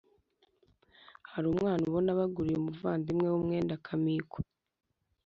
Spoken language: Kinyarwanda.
hari umwana ubona baguriye umuvandimwe we umwenda akamikwa.